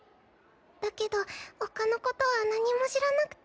だけどほかのことは何も知らなくて。